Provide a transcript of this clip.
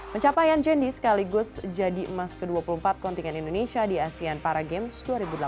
pencapaian jendi sekaligus jadi emas ke dua puluh empat kontingen indonesia di asean para games dua ribu delapan belas